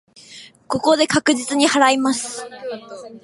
ここで確実に祓います。